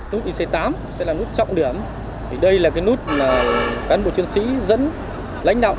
nút ic tám sẽ là nút trọng điểm đây là cái nút là cán bộ chuyên sĩ dẫn lãnh đạo